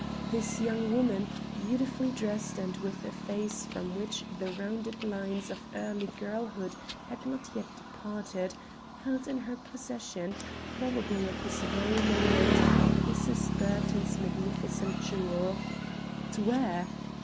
This young woman, beautifully dressed, and with a face from which the rounded lines of early girlhood had not yet departed, held in her possession, probably at this very moment, Mrs. Burton's magnificent jewel. But where?